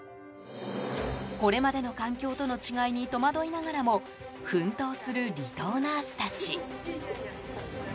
これまでの環境との違いに戸惑いながらも奮闘する離島ナースたち。